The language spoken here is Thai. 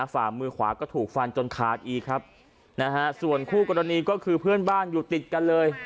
ฝ่ามือขวาก็ถูกฟันจนขาดอีกครับนะฮะส่วนคู่กรณีก็คือเพื่อนบ้านอยู่ติดกันเลย